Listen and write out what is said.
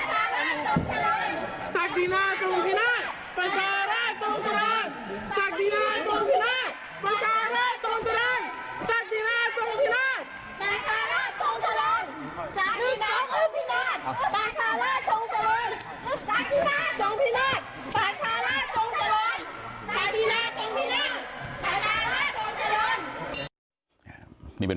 ปัชฌาลักษณ์จงจรรย์ปัชฌาลักษณ์จงจรรย์